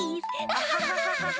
アハハハハ。